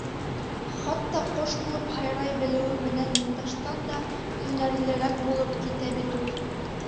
Хатта ҡош булып һайрай белеүе менән Юлдаштан да һәнәрлерәк булып китә бит ул!..